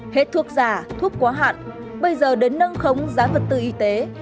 hết thuốc giả thuốc quá hạn bây giờ đến nâng khống giá vật tư y tế